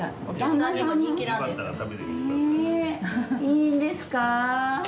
いいんですか？